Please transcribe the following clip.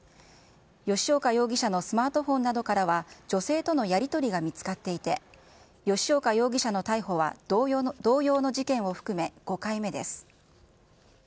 吉岡容疑者のスマートフォンなどからは、女性とのやり取りが見つかっていて、吉岡容疑者の逮捕は同様の事件を含め、５回目です。